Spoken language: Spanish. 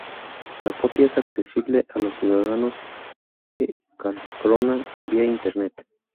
La copia es accesible a los ciudadanos de Karlskrona vía Internet.